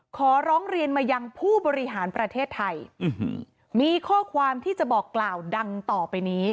ขอร้องเรียนมายังผู้บริหารประเทศไทยมีข้อความที่จะบอกกล่าวดังต่อไปนี้